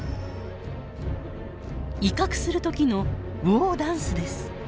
威嚇する時のウオーダンスです。